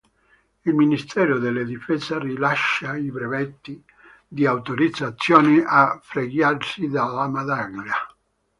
Il Ministero della difesa rilascia i brevetti di autorizzazione a fregiarsi della medaglia.